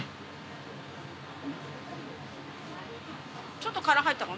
ちょっと殻入ったかな？